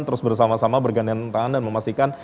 terus bersama sama berganda tangan dan memastikan